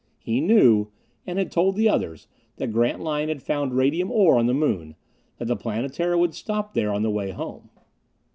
He knew, and had told the others, that Grantline had found radium ore on the Moon that the Planetara would stop there on the way home.